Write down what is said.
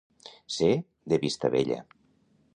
Ser de Vistabella.